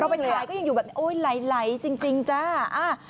เราไปถ่ายก็ยังอยู่แบบโอ้ยไหลจริงจ้า